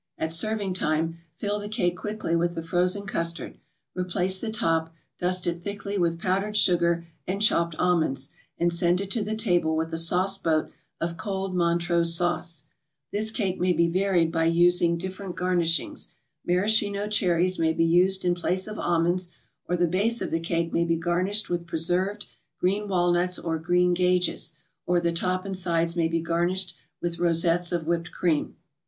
At serving time, fill the cake quickly with the frozen custard, replace the top, dust it thickly with powdered sugar and chopped almonds, and send it to the table with a sauceboat of cold Montrose Sauce. This cake may be varied by using different garnishings. Maraschino cherries may be used in place of almonds, or the base of the cake may be garnished with preserved green walnuts or green gages, or the top and sides may be garnished with rosettes of whipped cream.